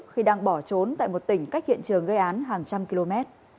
khi đang bỏ trốn tại một tỉnh cách hiện trường gây án hàng trăm km